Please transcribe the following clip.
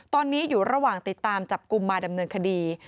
ตอนนี้อยู่ระหว่างติดตามจับกลุ่มมาดำเนินคดี